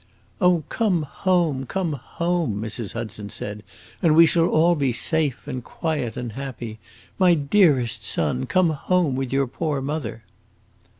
"Oh, come home, come home," Mrs. Hudson said, "and we shall all be safe and quiet and happy. My dearest son, come home with your poor mother!"